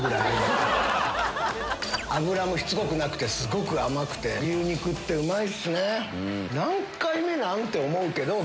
脂もしつこくなくてすごく甘くて牛肉ってうまいっすね。